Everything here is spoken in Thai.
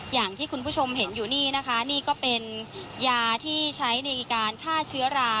อย่างที่คุณผู้ชมเห็นอยู่นี่นะคะนี่ก็เป็นยาที่ใช้ในการฆ่าเชื้อรา